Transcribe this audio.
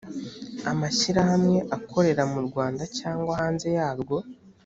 amashyirahamwe akorera mu rwanda cyangwa hanze yarwo